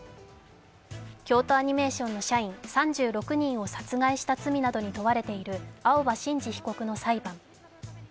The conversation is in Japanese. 京都アニメーションの社員３６人を殺害した罪などに問われている青葉真司被告の裁判。